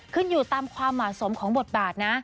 ขึ้นอยู่ตามความเหมาะสมของบทบาทนะ